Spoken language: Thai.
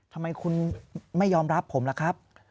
ทำไมคุณไม่ยอมรับผมล่ะครับ